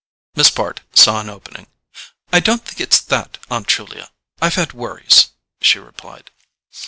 Miss Bart saw an opening. "I don't think it's that, Aunt Julia; I've had worries," she replied.